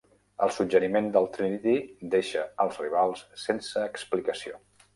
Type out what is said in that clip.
El suggeriment del Trinity deixa "els rivals" sense explicació.